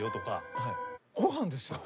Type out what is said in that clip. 「ご飯ですよ」？